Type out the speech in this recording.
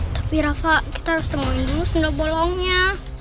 tapi rafa kita harus temuin dulu sendok bolongnya